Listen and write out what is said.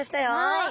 はい。